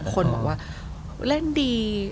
คนบอกว่าเล่นดี